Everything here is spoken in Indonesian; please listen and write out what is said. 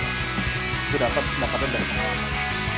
itu dapet dapetnya dari pengalaman